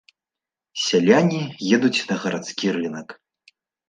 Сяляне едуць на гарадскі рынак.